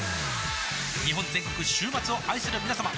日本全国週末を愛するみなさま